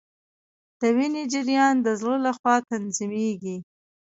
د وینې جریان د زړه لخوا تنظیمیږي